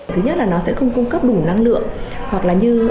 thứ nhất là nó sẽ không cung cấp đủ năng lượng